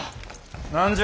何じゃ。